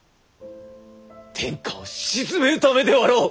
天下を鎮めるためであろう！